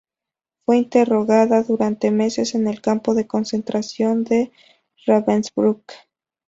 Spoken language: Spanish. Fue interrogada durante meses en el campo de concentración de Ravensbrück.